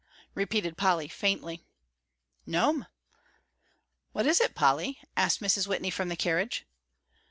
repeated Polly, faintly. "No'm." "What is it, Polly?" asked Mrs. Whitney, from the carriage.